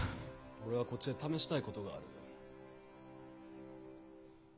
俺はこっちで試したいことがある。